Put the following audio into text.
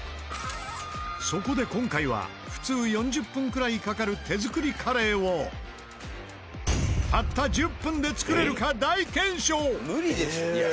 そこで今回は普通４０分くらいかかる手作りカレーをたった１０分で作れるか大検証！